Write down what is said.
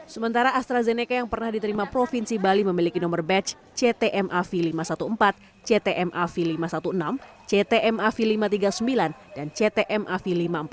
sementara astrazeneca yang pernah diterima provinsi bali memiliki nomor batch ctmav lima ratus empat belas ctmav lima ratus enam belas ctmav lima ratus tiga puluh sembilan dan ctmav lima ratus empat puluh